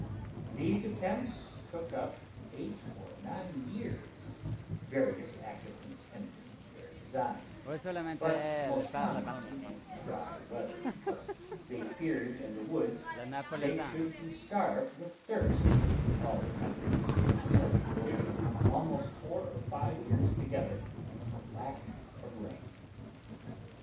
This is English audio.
These attempts took up eight or nine years, various accidents hindering their designs, but most commonly the dry weather, because they feared in the woods they should be starved with thirst, all the country being in such a condition almost four or five years together for lack of rain.